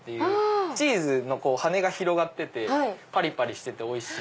チーズの羽根が広がっててパリパリしてておいしい。